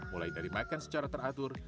mulai dari makan secara teratur